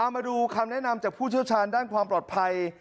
มาดูคำแนะนำจากผู้เชี่ยวชาญด้านความปลอดภัย